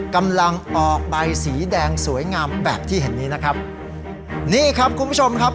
กำลังออกใบสีแดงสวยงามแบบที่เห็นนี้นะครับนี่ครับคุณผู้ชมครับ